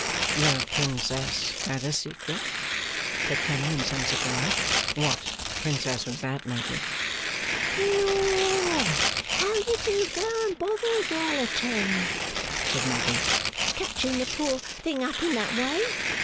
'The Princess had a secret?' said Clennam, in some surprise. 'What Princess was that, Maggy?' 'Lor! How you do go and bother a gal of ten,' said Maggy, 'catching the poor thing up in that way.